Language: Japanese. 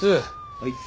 はい。